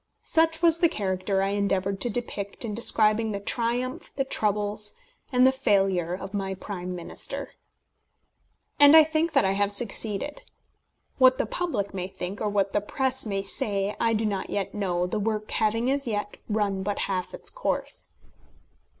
Such was the character I endeavoured to depict in describing the triumph, the troubles, and the failure of my Prime Minister. And I think that I have succeeded. What the public may think, or what the press may say, I do not yet know, the work having as yet run but half its course.